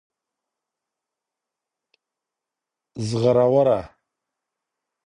زرغروره